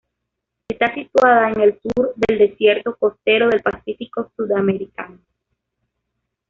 Está situada en el sur del desierto costero del pacífico sudamericano.